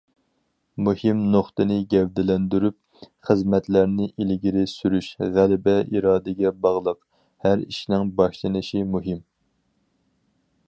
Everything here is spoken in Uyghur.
مۇھىم نۇقتىنى گەۋدىلەندۈرۈپ، خىزمەتلەرنى ئىلگىرى سۈرۈش غەلىبە ئىرادىگە باغلىق، ھەر ئىشنىڭ باشلىنىشى مۇھىم.